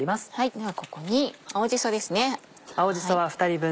ではここに青じそですね。